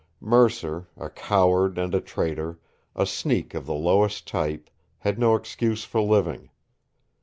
Mercer, a coward and a traitor, a sneak of the lowest type, had no excuse for living.